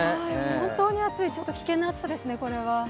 本当に暑い、ちょっと危険な暑さですね、これは。